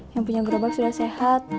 yang punya gerobak sudah sehat